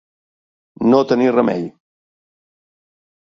No tenir remei.